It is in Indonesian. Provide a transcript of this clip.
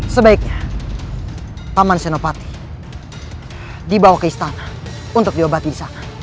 sebaiknya taman senopati dibawa ke istana untuk diobati bisa